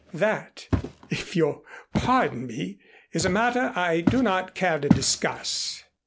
"That, if you'll pardon me, is a matter I do not care to discuss."